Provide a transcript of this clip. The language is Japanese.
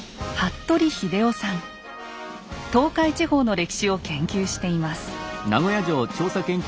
東海地方の歴史を研究しています。